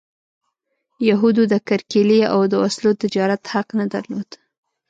یهودو د کرکیلې او د وسلو تجارت حق نه درلود.